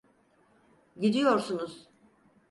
Gidiyorsunuz.